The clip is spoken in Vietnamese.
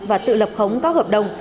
và tự lập khống các hợp đồng